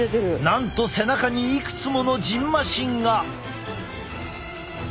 なんと背中にいくつものじんましんが！